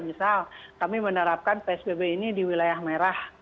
misal kami menerapkan psbb ini di wilayah merah